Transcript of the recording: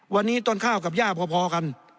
วันนี้ต้นข้าวกับย่าพอกัน